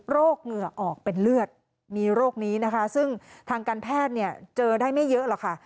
เหงื่อออกเป็นเลือดมีโรคนี้นะคะซึ่งทางการแพทย์เนี่ยเจอได้ไม่เยอะหรอกค่ะ